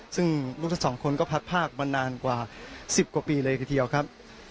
ซึ่งลูกฝาสองคนก็พัดภาคมานานกว่าสิบกว่าปีเลยเทียวครับ